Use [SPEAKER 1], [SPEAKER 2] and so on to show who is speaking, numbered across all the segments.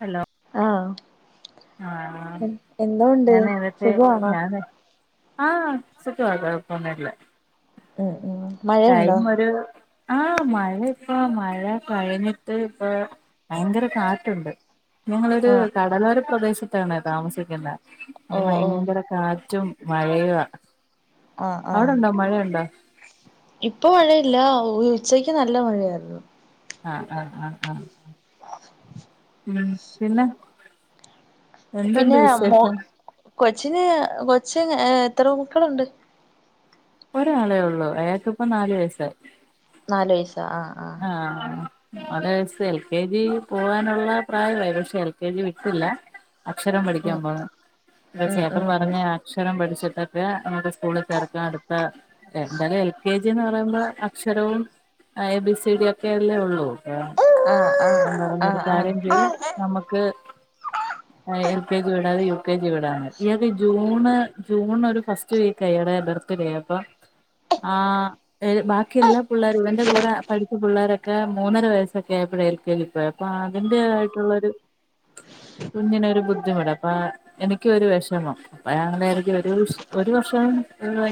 [SPEAKER 1] Hello
[SPEAKER 2] ആഹ്
[SPEAKER 1] ആഹ്
[SPEAKER 2] എന്തോ ഉണ്ട്
[SPEAKER 1] ഞാ എഴുന്നേറ്റ്
[SPEAKER 2] സുഖമാണോ
[SPEAKER 1] ഞാന് ആഹ് [unintelligible]
[SPEAKER 2] [unintelligible]
[SPEAKER 1] ടൈം ഒരു ആഹ് മഴ ഇപ്പോ മഴ കഴിഞ്ഞിട്ട് ഇപ്പം ഭയങ്കര കാറ്റുണ്ട്. ഞങ്ങളൊരു
[SPEAKER 2] ആഹ് ആഹ്
[SPEAKER 1] കടലോര പ്രദേശത്താണെ താമസിക്കുന്നേ
[SPEAKER 2] ഓ
[SPEAKER 1] [unintelligible]
[SPEAKER 2] ഓ
[SPEAKER 1] ഭയങ്കര കാറ്റും മഴയുവാ.
[SPEAKER 2] ആഹ് ആഹ്
[SPEAKER 1] അവിടെണ്ടോ മഴയുണ്ടോ?
[SPEAKER 2] ഇപ്പൊ മഴയില്ല ഉച്ചക്ക് നല്ല മഴയായിരുന്നു.
[SPEAKER 1] ആഹ് ആഹ് ആഹ് ആഹ് പിന്നെ? എന്തുണ്ട്
[SPEAKER 2] പിന്നെ മോ
[SPEAKER 1] വിശേഷം
[SPEAKER 2] കൊച്ചിന് കൊച്ച് എത്ര മക്കളുണ്ട്?
[SPEAKER 1] ഒരാളെ ഉള്ളൂ അയാക്ക് ഇപ്പം നാല് വയസ്സായി.
[SPEAKER 2] നാല് വയസ്സ ആഹ്
[SPEAKER 1] ആഹ് അതെ എൽ കെ ജി പോവാനുള്ള പ്രായമായി പക്ഷെ എൽ കെ ജി വിട്ടില്ല. അക്ഷരം പഠിക്കാൻ [unintelligible]
[SPEAKER 2] ഉം
[SPEAKER 1] ചേട്ടൻ
[SPEAKER 2] ഉം
[SPEAKER 1] പറഞ്ഞ് അക്ഷരം പഠിച്ചിട്ടക്കെ അങ്ങട്ട് സ്കൂള് ചേർക്കാൻ അടുത്ത എന്തായാലും എൽ കെ ജിന്ന് പറയുമ്പോ അക്ഷരവും എ ബി സി ചിരിയെക്കെ അല്ലേ ഉള്ളൂ ഏഹ്
[SPEAKER 2] ഉം ആഹ്
[SPEAKER 1] ഇപ്പം പറഞ്ഞൊരു
[SPEAKER 2] ആഹ് ആഹ്
[SPEAKER 1] കാര്യം ചെയ്യ്
[SPEAKER 2] ആഹ്
[SPEAKER 1] നമ്മക്ക് എൽ കെ ജി വിടാതെ U K G വിടാണ്. [unintelligible] June, June ഒരു ഫസ് [unintelligible] അപ്പൊ ആഹ് ബാക്കി എല്ലാ പിള്ളേരും ഇവന്റെ കൂടെ പഠിച്ച പിള്ളേരൊക്കെ മൂന്നര വയസ്സൊക്കെ ആയപ്പോഴ എൽ കെ ജിൽ പോയ അപ്പൊ അതിന്റെ ആയിട്ടുള്ളൊരു കുഞ്ഞിനൊരു ബുദ്ധിമുട്ട് അപ്പൊ എനിക്ക് ഒരു വെഷമം. [unintelligible] ഒരു വർഷം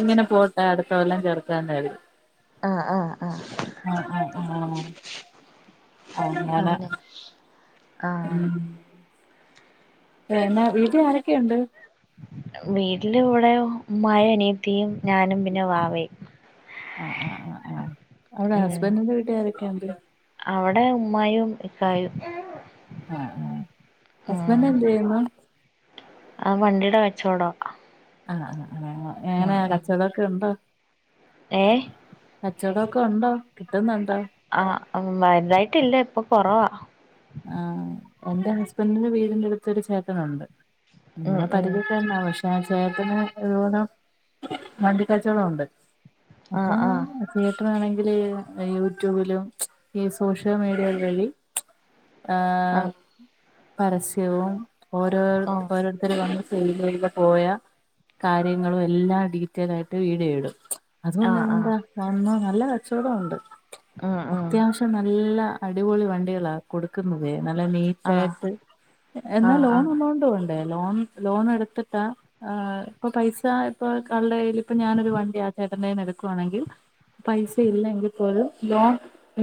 [SPEAKER 1] ഇങ്ങനെ പോട്ടെ അടുത്ത കൊല്ലം ചേർക്കാന്ന് കരുതി
[SPEAKER 2] ആഹ് ആഹ് ആഹ്
[SPEAKER 1] ആഹ് ആഹ് ആഹ് ഹാ അങ്ങനെ
[SPEAKER 2] ആഹ്
[SPEAKER 1] ഉം തന്നെ വീട്ടിൽ ആരൊക്കെയുണ്ട്?
[SPEAKER 2] വീട്ടില് ഇവടെ ഉമ്മായും അനിയത്തിയും ഞാനും പിന്നെ വാവയും
[SPEAKER 1] ആഹ് ആഹ് ആഹ് ആഹ് അവടെ ഹസ്ബൻഡിന്റെ വീട്ടുലാരൊക്കെയാണ്ട്?
[SPEAKER 2] അവടെ ഉമ്മായും ഇക്കായും.
[SPEAKER 1] ആഹ് ആഹ് ഹസ്ബെന്റെ ന്ത് യ്യുന്നു.
[SPEAKER 2] ആഹ് വണ്ടീടെ കച്ചോടം
[SPEAKER 1] ആഹ് ആഹ് ആഹ് എങ്ങനെ കച്ചവടക്കെ ണ്ടോ?
[SPEAKER 2] ഏഹ്
[SPEAKER 1] കച്ചോടൊക്കെ ഉണ്ടോ കിട്ടുന്നുണ്ടോ
[SPEAKER 2] ആഹ് വലുതായിട്ടില്ല ഇപ്പൊ കൊറവാ
[SPEAKER 1] ആഹ് എന്റെ ഹസ്ബന്റിൻ്റെ വീടിന്റെ അടുത്തൊരു ചേട്ടനുണ്ട്
[SPEAKER 2] ഉം
[SPEAKER 1] നമ്മടെ
[SPEAKER 2] ഉം
[SPEAKER 1] പരിചയത്ത് തന്നെയാ പക്ഷേ ആ ചേട്ടന് ഇതുപോലെ വണ്ടിക്കച്ചവടോണ്ട്
[SPEAKER 2] ആ
[SPEAKER 1] അപ്പം
[SPEAKER 2] ആ
[SPEAKER 1] ചേട്ടനാണെങ്കില് ഈ യൂട്യൂബിലും ഈ സോഷ്യൽ മീഡിയ വഴി
[SPEAKER 2] ആ
[SPEAKER 1] ആഹ് പരസ്യവും ഓരോര്
[SPEAKER 2] ഓ
[SPEAKER 1] ഓരോരുത്തര് വന്ന് സെയില് ചെയ്തും പോയാ കാര്യങ്ങളും എല്ലാം ഡീറ്റെൽ ആയിട്ട് വീഡിയോ ഇടും
[SPEAKER 2] ആ
[SPEAKER 1] അതുകൊണ്ട്
[SPEAKER 2] ആ
[SPEAKER 1] എന്താ എന്നും നല്ല കച്ചവടം ഉണ്ട്
[SPEAKER 2] ഉം ഉം
[SPEAKER 1] അത്യാവശ്യം അപ്പം നല്ല അടിപൊളി വണ്ടികളാ കൊടുക്കുന്നത് നല്ല നീറ്റ്
[SPEAKER 2] ആ
[SPEAKER 1] ചേർത്ത്
[SPEAKER 2] ആ ആ
[SPEAKER 1] എന്നാ
[SPEAKER 2] ആ
[SPEAKER 1] ലോണ് ഉള്ളോണ്ട് പോണ്ടേ ലോൺ ലോണ് എടുത്തിട്ടാ ആഹ് ഇപ്പൊ പൈസ ഇപ്പൊ ആളുടെ കൈയ്യിൽ ഇപ്പ ഞാനൊരു വണ്ടി ആ ചേട്ടൻന്റെ നിന്ന് എടുക്കുവാണെങ്കിൽ പൈസ ഇല്ലെങ്കിൽ പോലും ലോൺ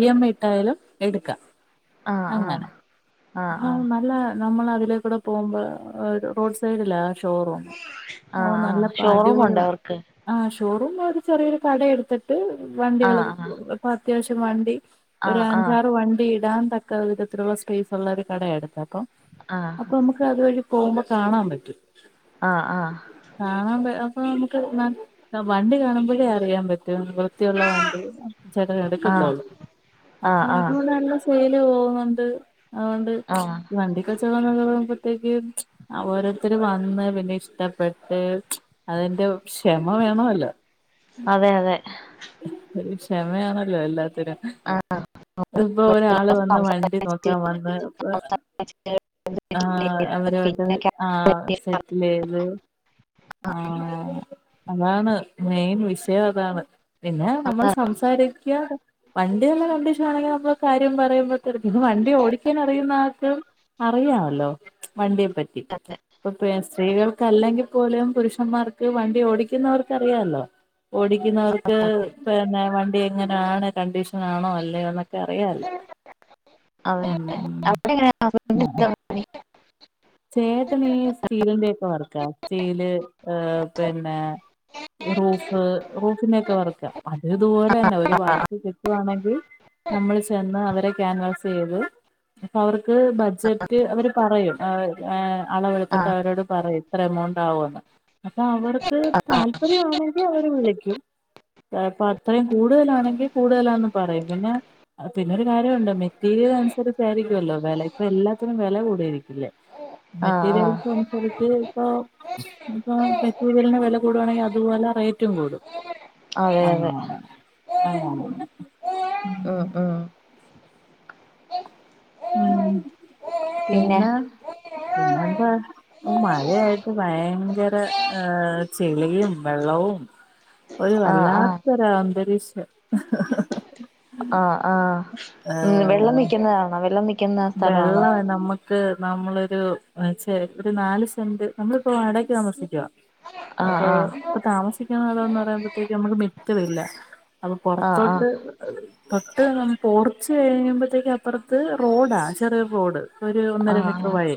[SPEAKER 1] ഇ എം ഐ ഇട്ടായാലും എടുക്കാ
[SPEAKER 2] ആ ആഹ്
[SPEAKER 1] ആഹ് നല്ല നമ്മളതിലേക്കൂടെ പോകുമ്പോ റോഡ് സൈഡിലാ ഷോറൂം
[SPEAKER 2] ആ
[SPEAKER 1] ഓ
[SPEAKER 2] ആ
[SPEAKER 1] നല്ല പ
[SPEAKER 2] ഷോറൂം
[SPEAKER 1] അടിപൊളി
[SPEAKER 2] ഉണ്ടോ
[SPEAKER 1] വ
[SPEAKER 2] അവർക്ക്
[SPEAKER 1] ആഹ് ഷോറൂം ഒരു ചെറിയൊരു കട എടുത്തിട്ട്
[SPEAKER 2] ആ
[SPEAKER 1] വണ്ടികള്
[SPEAKER 2] ആ
[SPEAKER 1] ഇപ്പൊ അത്യാവശ്യം വണ്ടി
[SPEAKER 2] ആ
[SPEAKER 1] ഒരു
[SPEAKER 2] ആ
[SPEAKER 1] അഞ്ചാറ് വണ്ടി ഇടാൻ തക്ക വിധത്തിലുള്ള സ്പേസുള്ള ഒരു കടയാ എടുത്തെ അപ്പോ
[SPEAKER 2] ആഹ്
[SPEAKER 1] അപ്പോ നമുക്ക് അതുവഴി പോകുമ്പോ കാണാൻ പറ്റും
[SPEAKER 2] ആഹ് ആഹ്
[SPEAKER 1] കാണാൻപ അപ്പൊ നമുക്ക് വണ്ടി കാണുമ്പഴേ അറിയാൻ പറ്റും വൃത്തിയുള്ള വണ്ടി ചേട്ടന്
[SPEAKER 2] ആ
[SPEAKER 1] എടുക്കത്തൊള്ളൂ അപ്പൊ
[SPEAKER 2] ആ
[SPEAKER 1] അതോണ്ടല്ല സെയില് പോകുന്നുണ്ട് അതുകൊണ്ട്
[SPEAKER 2] ആ
[SPEAKER 1] ഈ വണ്ടി [unintelligible] ആകുമ്പോത്തേക്ക് ഓരോരുത്തർ വന്ന് പിന്നെ ഇഷ്ടപ്പെട്ട് അതിന്റെ ക്ഷമ വേണമല്ലോ ഉം
[SPEAKER 2] അതെ അതെ
[SPEAKER 1] ഒരു ക്ഷമയാണല്ലോ എല്ലാത്തിനും
[SPEAKER 2] ആ
[SPEAKER 1] ഇപ്പൊ ഒരാള് വന്ന് വണ്ടി
[SPEAKER 2] സംസാരിച്ച്
[SPEAKER 1] നോക്കാൻ വന്ന് ന്ന്
[SPEAKER 2] സംസാരിച്ച്
[SPEAKER 1] ആഹ് അവരായിട്ട്
[SPEAKER 2] പിന്നെ
[SPEAKER 1] ആഹ് സെ റ്റ്ലെയ്ത് ആഹ് അതാണ് മെയിൻ വിഷയതാണ് പിന്നെ നമ്മള് സംസാരി ക്കാ വണ്ടി നല്ല കണ്ടീഷനാണെങ്കില് നമ്മ കാര്യം പറയുമ്പോത്തടെക്ക് ഇത് വണ്ടി ഓടി ക്കാൻ അറിയുന്ന ആൾക്ക് അറിയാവല്ലോ വണ്ടിയെ പറ്റി ഇപ്പൊ സ്ത്രീകൾക്ക് അല്ലെങ്കി പോലും പുരുഷന്മാർക്ക് വണ്ടി ഓടിക്കുന്നവർക്ക് അറിയാലോ ഓടിക്കുന്നവർക്ക് പിന്നെ വണ്ടി എങ്ങനാണ് കണ്ടീഷനാണോ അല്ലയോ എന്നൊക്കെ അറിയാലോ
[SPEAKER 2] [unintelligible]
[SPEAKER 1] ഉം
[SPEAKER 2] അവിടെങ്ങനയാ [unintelligible]
[SPEAKER 1] ചേട്ടനീ സ്റ്റീലിന്റെയൊക്കെ വർക്കാ സ്റ്റീല് ഏ പിന്നെ റൂഫ് റൂഫിന്റെയൊക്കെ വർക്കാ അത്‌ ഇത്പോലെന്നെ ഒരു വർ ക്ക് കിട്ടുവാണെങ്കിൽ നമ്മള് ചെന്ന് അവരെ ക്യാൻവാസ് ചെയ്ത് ഇപ്പൊ അവർക്ക് ബഡ്ജറ്റ് അവര് പറയും [unintelligible] ഏ അളവെടുത്തിട്ട്
[SPEAKER 2] ആഹ്
[SPEAKER 1] അവരോട് പറയും ഇത്ര എമൗണ്ട് ആവുമെന്ന് അപ്പൊ അവർക്ക് താല്പര്യമാണെങ്കിൽ അവര് വിളിക്കും അപ്പൊ അത്രയും കൂടുതലാണെങ്കിൽ കൂടുതലാന്ന് പറയും പിന്നെ പിന്നെരു കാര്യമുണ്ട് മെറ്റീരിയൽ അനുസരിച്ചായിരിക്കുമല്ലോ വെല ഇപ്പൊ എല്ലാത്തിനും വെല കൂടിയിരിക്കല്ലേ
[SPEAKER 2] ആഹ് ആഹ്
[SPEAKER 1] മെറ്റീരിയൽസ് അനുസരിച്ച് ഇപ്പോ ഇപ്പോ മെറ്റീരിയലിന് വില കൂടുവാണെങ്കിൽ അതുപോലെ റേറ്റും കൂടും
[SPEAKER 2] അതെ അതെ
[SPEAKER 1] അങ്ങനെ അങ്ങനെ ഉം ഉം പിന്നെ പിന്നെന്താ മഴയായിട്ട് ഭയങ്കര ഏഹ് ചെളിയും വെള്ളവും ഒരു
[SPEAKER 2] ആഹ് ആഹ്
[SPEAKER 1] വല്ലാത്തൊരു ആന്തരീക്ഷം
[SPEAKER 2] ആഹ് ആഹ് ഉം വെള്ളം നിൽക്കുന്നാണോ വെള്ളം നിക്ക
[SPEAKER 1] വെള്ളവേ നമ്മ ക്ക് നമ്മളൊരു [unintelligible] നാല് സെന്റ് നമ്മളിപ്പോ വടകയ്ക്ക് താമസിക്കുവ
[SPEAKER 2] ആഹ്
[SPEAKER 1] അപ്പൊ
[SPEAKER 2] ആഹ്
[SPEAKER 1] ഇപ്പൊ താമസിക്കുന്ന ഇടോന്ന് പറയുമ്പോഴത്തേക്കും നമക്ക് മിറ്റമില്ല അപ്പോ
[SPEAKER 2] ആഹ്
[SPEAKER 1] പൊറത്തോട്ട് തൊട്ട് പൊർച്ച് കഴിയുമ്പോഴത്തേക്ക് അപ്പറത്ത് റോ ഡാ ചെറിയൊരു റോഡ് ഒരു ഒന്നര
[SPEAKER 2] ആഹ്
[SPEAKER 1] മീറ്റർ വഴി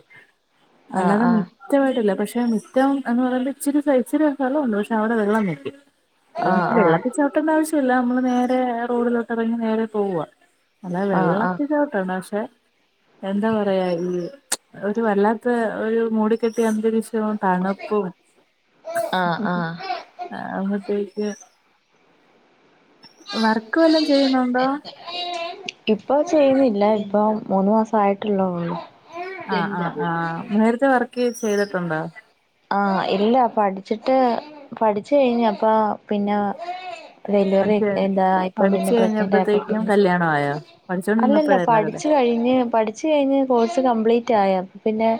[SPEAKER 2] ആഹ്
[SPEAKER 1] അല്ലാതെ
[SPEAKER 2] ആഹ്
[SPEAKER 1] മിറ്റമായിട്ടില്ല പക്ഷെ മിറ്റം എന്ന് പറയുമ്പോ ഇച്ചിരി ഇച്ചിരി സ്ഥലമുണ്ട് പക്ഷെ അവിടെ വെള്ളം നിക്കും അപ്പം
[SPEAKER 2] ആഹ്
[SPEAKER 1] നമുക്ക്
[SPEAKER 2] ആഹ് ആഹ്
[SPEAKER 1] വെള്ളത്തിൽ ചവിട്ടേണ്ട ആവശ്യമില്ല നമ്മള് നേരെ റോഡിലോട്ട് ഇറങ്ങി നേരെ പോവ്വാ അല്ലാതെ
[SPEAKER 2] ആഹ് ആഹ്
[SPEAKER 1] വെള്ളത്തൽ ചവിട്ടണ്ട പക്ഷെ എന്താ പറയാ ഉം ഒരു വല്ലാത്ത ഒരു മൂടിക്കെട്ടിയ അന്തരീക്ഷവും തണുപ്പും
[SPEAKER 2] ആഹ്
[SPEAKER 1] ഹ് ഹും
[SPEAKER 2] ആഹ്
[SPEAKER 1] അപ്പത്തേക്ക് വർക്ക് വല്ലോം ചെയ്യുന്നുണ്ടോ
[SPEAKER 2] ഇപ്പൊ ചെയ്യുന്നില്ല ഇപ്പ മൂന്ന് മാസം ആയിട്ടുള്ളോള്ളൂ
[SPEAKER 1] ആഹ് ആഹ് ആഹ് നേരത്തെ വർക്ക് ചെയ്തിട്ടുണ്ടോ
[SPEAKER 2] ആഹ് ഇല്ല പഠിച്ചിട്ട് പഠിച്ച് കഴിഞ്ഞപ്പ പിന്നെ
[SPEAKER 1] പഠിച്ച്
[SPEAKER 2] ഡെലിവറിഒക്കെ എന്താ യിപ്പം പിന്നെ
[SPEAKER 1] പഠിച്ചു
[SPEAKER 2] പ്രഗ്നന്റ് ആയപ്പോ
[SPEAKER 1] കഴിഞ്ഞപ്പോഴത്തേക്കും
[SPEAKER 2] പിന്നെ
[SPEAKER 1] കല്യാണം ആയോ
[SPEAKER 2] അല്ലല്ല
[SPEAKER 1] പഠിച്ചോണ്ടിരുന്നപ്പോഴായിരുന്നോ
[SPEAKER 2] പഠിച്ച്
[SPEAKER 1] കല്യാണം
[SPEAKER 2] കഴിഞ്ഞ് പഠി ച്ച് കഴിഞ്ഞ് കോഴ്സ് കമ്പ്ലീറ്റ് ആയി അപ്പൊ പിന്നെ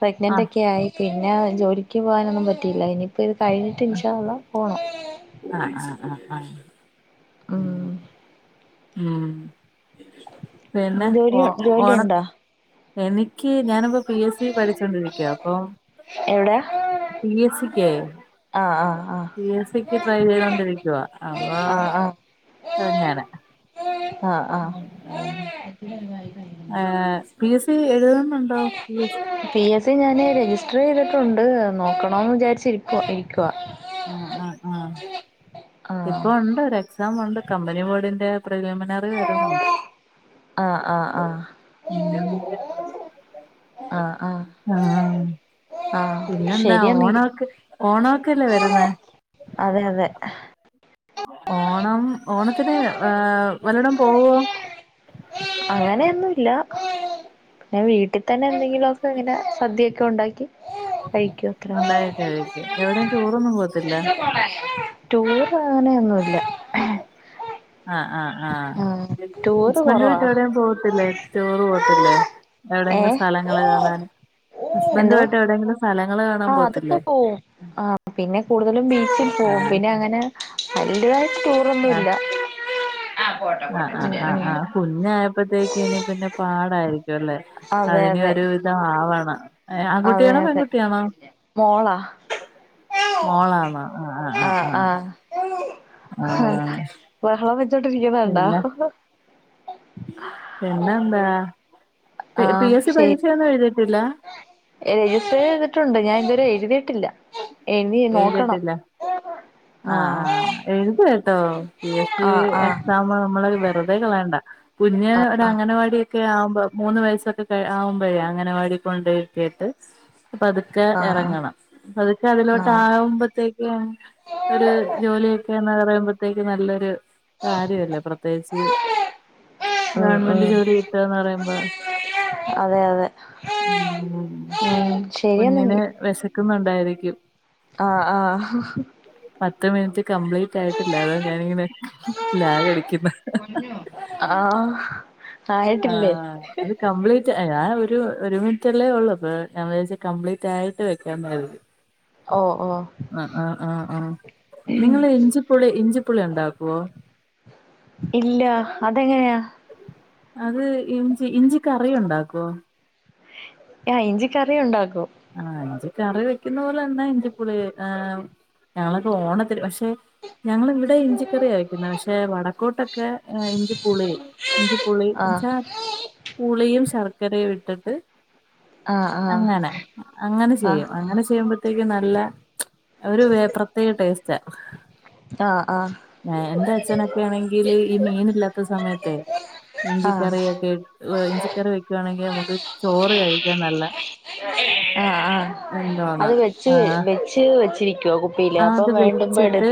[SPEAKER 2] പ്രഗ്നന്റ്
[SPEAKER 1] ആഹ്
[SPEAKER 2] ഒക്കെ ആയി പിന്നെ ജോലി ക്ക്‌ പോകാനൊന്നും പറ്റിയില്ല ഇനിയിപ്പോ ഇത് കഴിഞ്ഞിട്ട് ഇൻഷാ അള്ളാഹ് പോണം.
[SPEAKER 1] ആഹ് ആഹ് ആഹ് ആഹ് ഉം ഉം പിന്നെ
[SPEAKER 2] ജോലി
[SPEAKER 1] ഓ
[SPEAKER 2] ജോലി
[SPEAKER 1] ഓണ
[SPEAKER 2] ഉണ്ടോ
[SPEAKER 1] എനിക്ക് ഞാനിപ്പ പി എസ് സി പഠിച്ചോണ്ടിരിക്ക അപ്പം
[SPEAKER 2] എവിടെയാ
[SPEAKER 1] പി എസ് സിക്കേ
[SPEAKER 2] ആഹ് ആഹ് ആഹ്
[SPEAKER 1] പി എസ് സിക്ക് ട്രൈ ചെയ്തോണ്ടിരിക്കുവാ അപ്പൊ
[SPEAKER 2] ആഹ് ആഹ്
[SPEAKER 1] അങ്ങനെ
[SPEAKER 2] ആഹ് ആഹ്
[SPEAKER 1] ഏഹ് പി എസ് സി എഴുതുന്നുണ്ടോ P S C
[SPEAKER 2] P S C ഞാന് രജിസ്റ്റർ ചെയ്തിട്ടുണ്ട് നോക്കണന്ന് വിചാരിച്ചിരിക്കുവാ ഇരിക്കുവാ
[SPEAKER 1] ആഹ് ആഹ് ആഹ്
[SPEAKER 2] [inaudible]
[SPEAKER 1] ഇപ്പൊ ഉണ്ട് ഒരു എക്സാം ഉണ്ട് കമ്പനി ബോർഡിന്റെ പ്രിലിമിനറി വരുന്നുണ്ട്.
[SPEAKER 2] ആഹ് ആഹ്
[SPEAKER 1] ഉം
[SPEAKER 2] ആഹ്
[SPEAKER 1] ഇന്റർവ്യൂ [unintelligible] ആഹ് ആഹ്
[SPEAKER 2] ആഹ്
[SPEAKER 1] പിന്നെന്താ
[SPEAKER 2] ശരിയെന്നീ
[SPEAKER 1] ഓണോക്ക് ഓണോക്കല്ലേ വരുന്നേ
[SPEAKER 2] അതെ അതെ
[SPEAKER 1] ഓണം ഓണത്തിന് ഏഹ് വല്ലടം പോവോ?
[SPEAKER 2] അങ്ങനെയൊന്നുംല്ല പിന്നെ വീട്ടിൽ തന്നെ എന്തെങ്കിലുമൊക്കെ ഇങ്ങനെ സദ്യൊക്കെ ഉണ്ടാക്കി വൈക്കോ ക്രാവിങ്
[SPEAKER 1] ഉണ്ടാക്കി കഴിക്കും എവിടെയും ടൂറൊന്നും പോവത്തില്ല
[SPEAKER 2] ടൂർ അങ്ങനെയൊന്നുല്ല
[SPEAKER 1] ആഹ് ആഹ് ആഹ്
[SPEAKER 2] ടൂറ്
[SPEAKER 1] ഹസ്ബന്റെ
[SPEAKER 2] കൊറവാ
[SPEAKER 1] വീട്ട്കാരും പോവത്തില്ലേ ടൂറ് പോവത്തില്ലേ എവിടെങ്കിലും
[SPEAKER 2] ഏഹ്
[SPEAKER 1] സ്ഥല ങ്ങള് കാണാന്
[SPEAKER 2] എന്തോ
[SPEAKER 1] ഹസ്ബൻഡുമായിട്ട് എവിടെയെങ്കിലും സ്ഥലങ്ങള് കാണാൻ
[SPEAKER 2] ആഹ് അതൊക്കെ
[SPEAKER 1] പോവത്തില്ലേ
[SPEAKER 2] പോവും ആഹ് പിന്നെ കൂടുതലും ബീച്ചും പോവും
[SPEAKER 1] ആഹ്
[SPEAKER 2] പിന്നെ അങ്ങനെ വല് തായിട്ട്
[SPEAKER 1] ആഹ്
[SPEAKER 2] ടൂറൊന്നുല്ല ആ പോട്ടെ പോട്ടെ
[SPEAKER 1] ആഹ്
[SPEAKER 2] ഇച്ചിരി
[SPEAKER 1] ആഹ്
[SPEAKER 2] നേരം
[SPEAKER 1] ആഹ്
[SPEAKER 2] കാണാം
[SPEAKER 1] ആഹ് കുഞ്ഞായപ്പോത്തേക്കും ഇനി പിന്നെ പാടായിരിക്കുംല്ലേ
[SPEAKER 2] അതെ
[SPEAKER 1] അതിനി
[SPEAKER 2] അതെ
[SPEAKER 1] ഒരു വിധം ആവണം ആൺ
[SPEAKER 2] അതെ
[SPEAKER 1] കുട്ടിയാണോ
[SPEAKER 2] അതെ
[SPEAKER 1] പെൺകുട്ടിയാണോ
[SPEAKER 2] മോളാ
[SPEAKER 1] മോളാണോ ആഹ്
[SPEAKER 2] ആ
[SPEAKER 1] ആഹ്
[SPEAKER 2] ആ
[SPEAKER 1] ആഹ് ആഹ് ആഹ്
[SPEAKER 2] ബഹളം വെച്ചോട്ടിരിക്കുന്നകണ്ടാ
[SPEAKER 1] പിന്നന്താ
[SPEAKER 2] ആഹ് ശരി
[SPEAKER 1] എഴുതിയിട്ടില്ല
[SPEAKER 2] രജിസ്റ്റർ ചെയ്തിട്ടുണ്ട് ഞാൻ ഇതുവരെ എഴുതിയിട്ടില്ല. എഴുതി നോക്കണം
[SPEAKER 1] എഴുതിട്ടില്ല
[SPEAKER 2] ആ
[SPEAKER 1] ആഹ് ആഹ് എഴുത് ട്ടോ പി എസ് സി
[SPEAKER 2] ആ ആ
[SPEAKER 1] എക്സാം നമ്മള് വെറു തെ കളേണ്ട കുഞ്ഞ് ഒരു അങ്ങനവാടിയൊക്കെ ആവുമ്പോ മൂന്ന് വയസൊക്കെ കഴി ആവുമ്പോഴേ അംഗനവാടി കൊണ്ടയൊക്കെയിട്ട് പതുക്കെ
[SPEAKER 2] ആ
[SPEAKER 1] ഇറങ്ങണം
[SPEAKER 2] ആ
[SPEAKER 1] പതുക്കെ അതിലോട്ട്
[SPEAKER 2] ആ
[SPEAKER 1] ആവുമ്പോത്തേക്കും ഒരു ജോലിയൊക്കെന്ന് പറയുമ്പത്തേക്കും നല്ലൊരു കാര്യവല്ലേ പ്രത്യേകിച്ച്
[SPEAKER 2] ഉം
[SPEAKER 1] ഗവൺമെന്റ്
[SPEAKER 2] ഉം
[SPEAKER 1] ജോലി കിട്ട്വാന്ന് പറയുമ്പോ
[SPEAKER 2] അതെ അതെ ഉം ശരിയെന്നെങ്കി
[SPEAKER 1] കുഞ്ഞിന് വെശക്കുന്നുണ്ടായിരിക്കും
[SPEAKER 2] ആഹ് ആഹ്
[SPEAKER 1] പത്ത് മിനിറ്റ് കംപ്ലീറ്റായിട്ടില്ല അതാ ഞാനിങ്ങനെ ലാഗ് അടിക്ക്ന്നെ
[SPEAKER 2] ആഹ് ആയിട്ടില്ലേ
[SPEAKER 1] ആഹ് അത് കംപ്ലീറ്റ് ഞാൻ ഒരു ഒരു മിൻറ്റല്ലേ ഉള്ളൂ പ്പൊ ഞാൻ വേര്ച്ച് കംപ്ലീറ്റ് ആയിട്ട് വെകാന്ന് കരുതി.
[SPEAKER 2] ഓഹ് ഓഹ്
[SPEAKER 1] ആഹ് ആഹ് ആഹ് ആഹ് നിങ്ങള് ഇഞ്ചിപ്പുളി ഇഞ്ചിപ്പുളി ഉണ്ടാക്കുവോ
[SPEAKER 2] ഇല്ല അതെങ്ങനെയാ?
[SPEAKER 1] അത് ഇഞ്ചി ഇഞ്ചി കറിയുണ്ടാക്കോ?
[SPEAKER 2] ആഹ് ഇഞ്ചി കറിയുണ്ടാക്കും
[SPEAKER 1] ആഹ് ഇഞ്ചി കറി വെക്കുന്ന പോലെന്നെ ഇഞ്ചിപ്പുളി ഹ് ഞങ്ങളൊക്കെ ഓണത്തിന് പക്ഷെ ഞങ്ങിവിടെ ഇഞ്ചിക്കറിയാ വെയ്ക്കുന്നെ പക്ഷെ വടക്കോട്ടൊക്കെ ഇഞ്ചി പുളി ഇഞ്ചിപുളി
[SPEAKER 2] ആഹ്
[SPEAKER 1] എന്ന്ചാ പുളിയും ശർക്കരയും ഇട്ടിട്ട്
[SPEAKER 2] ആഹ് ആഹ്
[SPEAKER 1] അങ്ങനെ അങ്ങനെ
[SPEAKER 2] ആഹ്
[SPEAKER 1] ചെയ്യും, അങ്ങനെ ചെയ്യുമ്പഴ്ത്തേക്കും നല്ല ഒരു വെ പ്രത്യേക ടേസ്റ്റാ
[SPEAKER 2] ആഹ് ആഹ്
[SPEAKER 1] ഏഹ് എന്റ ച്ഛനൊക്കെ ആണെങ്കില് ഈ മീനില്ലാത്ത സമയത്തെ
[SPEAKER 2] ആഹ്
[SPEAKER 1] ഇഞ്ചിക്കറിയൊക്കെ ഇഞ്ചിക്കറി വെക്കുവാണെങ്കിൽ നമുക്ക് ചോറ് കഴിക്കാൻ നല്ല
[SPEAKER 2] ആഹ് ആഹ്
[SPEAKER 1] എന്തോന്ന
[SPEAKER 2] അത് വെച്ച്
[SPEAKER 1] ആ
[SPEAKER 2] വെ ച്ച് വെച്ചിരിക്കുവോ കുപ്പിയില് അപ്പം വേണ്ട
[SPEAKER 1] ച്ചിട്ട്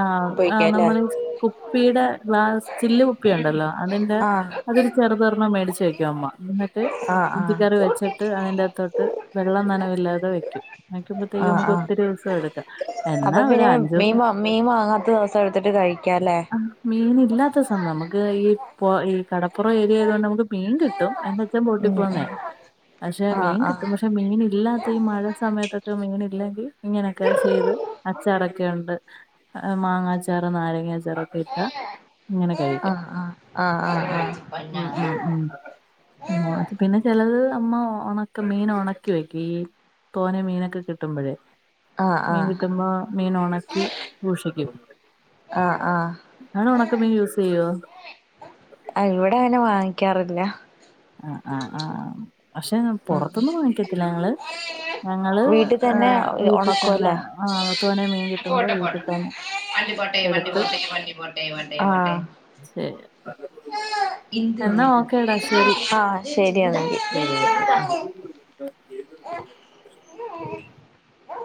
[SPEAKER 1] ആഹ് ആഹ് നമ്മള് കുപ്പിടെ ഗ്ലാസ് ചില്ല് കുപ്പിയുണ്ടല്ലോ അതിന്റെ
[SPEAKER 2] ആഹ്
[SPEAKER 1] അതൊരു ചെറുതൊരെണ്ണം മേടിച്ച് വയ്ക്കും അമ്മ എന്നിട്ട്
[SPEAKER 2] ആഹ് ആഹ്
[SPEAKER 1] ഇഞ്ചിക്കറി വെച്ചിട്ട് അതിന്റത്തോട്ട് വെള്ളം നനവില്ലാതെ വെക്കും വക്കുമ്പത്തേക്കും
[SPEAKER 2] ആഹ്
[SPEAKER 1] നമുക്ക്
[SPEAKER 2] ആഹ്
[SPEAKER 1] ഒത്തിരി ദിവസൊ എടുക്കാം എന്നാ
[SPEAKER 2] അപ്പൊ
[SPEAKER 1] ഒരു
[SPEAKER 2] പിന്നെ
[SPEAKER 1] അഞ്ചു
[SPEAKER 2] മീൻ
[SPEAKER 1] ദിവസം
[SPEAKER 2] വാങ്‌ മീൻ വാങ്ങാത്ത ദിവസം എടുത്തിട്ട് കഴിക്കാല്ലേ
[SPEAKER 1] മീനില്ലാത്തസം നമുക്ക് ഈ പൊ ഈ കടപ് പ്പൊറം ഏരിയായതുകൊണ്ട് നമുക്ക് മീൻ കിട്ടും, എൻ്റെച്ചൻ ബോട്ടി
[SPEAKER 2] ഉം
[SPEAKER 1] പോകുന്നേയാ,
[SPEAKER 2] ഉം
[SPEAKER 1] പക്ഷെ
[SPEAKER 2] ആഹ്
[SPEAKER 1] മീൻ
[SPEAKER 2] ആഹ്
[SPEAKER 1] കിട്ടും പക്ഷെ മീനല്ലാത്ത ഈ മഴ സമയത്തൊക്കെ മീനില്ലെങ്കി ഇങ്ങനൊക്കെ ചെയ്ത് ച്ചാറൊക്കെ ഉണ്ട് മാങ്ങാച്ചാറ് നാരങ്ങാച്ചാറൊക്കെ ക്കെ ഇട്ടാ ഇങ്ങനെ കഴിക്കാം
[SPEAKER 2] ആഹ് ആഹ് ആഹ് ആഹ് ആഹ്
[SPEAKER 1] മ് മ് മ് ഉം പിന്നെ ചെലത് അമ്മ ഒണക്കും മീനൊണക്കി വെക്കും ഈ തോനെ മീനൊക്കെ കിട്ടുമ്പഴേ
[SPEAKER 2] ആഹ് ആഹ്
[SPEAKER 1] ട്ടുമ്മോ മീനൊണക്കി സൂക്ഷിക്കും.
[SPEAKER 2] ആഹ് ആഹ്
[SPEAKER 1] ആണൊ ഒണക്ക മീൻ യൂസ് ചെയ്യോ?
[SPEAKER 2] ആഹ് ഇവിടങ്ങനെ വാങ്ങിക്കാറില്ല-
[SPEAKER 1] ആഹ് ആഹ് ആഹ് പക്ഷെ
[SPEAKER 2] ഉം
[SPEAKER 1] പൊറത്ത്ന്നും വാങ്ങിക്കത്തില്ല ഞങ്ങള് ഞങ്ങള്
[SPEAKER 2] വീട്ടിൽ തന്നെ
[SPEAKER 1] ആഹ് വീട്ടിൽ തന്നെ
[SPEAKER 2] ഉണക്കുവല്ലേ
[SPEAKER 1] ആഹ് തോനെ മീൻ കിട്ടുമ്പോ വീട്ടിൽ തന്നെ-
[SPEAKER 2] വണ്ടി പോട്ടേ വണ്ടി
[SPEAKER 1] എടുത്ത്
[SPEAKER 2] പോട്ടേ വണ്ടി പോട്ടേ വണ്ടേ പോട്ടേ ആഹ്
[SPEAKER 1] ശരി. എന്നാ ഓക്കേടാ ശരി
[SPEAKER 2] ആഹ് ശരിയെന്നാ
[SPEAKER 1] ശരി ഓക്കെ